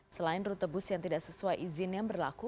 selain rute bus yang tidak sesuai izin yang berlaku